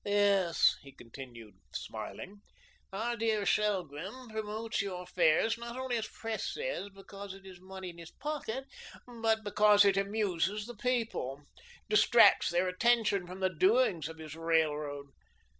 "Yes," he continued, smiling, "our dear Shelgrim promotes your fairs, not only as Pres says, because it is money in his pocket, but because it amuses the people, distracts their attention from the doings of his railroad.